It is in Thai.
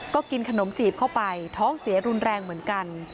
ก็กินขนมจีบเข้าไปท้องเสียรุนแรงเหมือนกัน